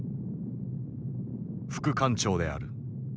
副艦長である。